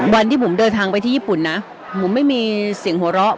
วันที่ผมเดินทางไปที่ญี่ปุ่นนะผมไม่มีเสียงหัวเราะ